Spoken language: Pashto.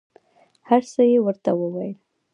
هر څه یې ورته وویل.